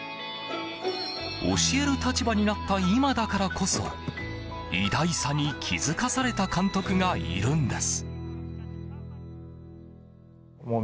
教える立場になった今だからこそ偉大さに気づかされた監督がいるんです。